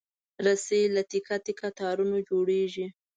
رسۍ له تکه تکه تارونو جوړېږي.